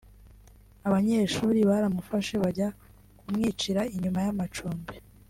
Abanyeshuri baramufashe bajya kumwicira inyuma y’amacumbi